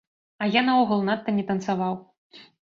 А я наогул надта не танцаваў.